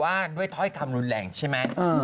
เพราะว่าถ้อยคำรุนแลกใช่ไหม